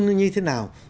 như thế nào